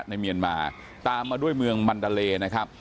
เมียนมาตามมาด้วยเมืองมันดาเลนะครับ